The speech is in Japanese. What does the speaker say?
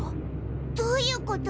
どういうこと？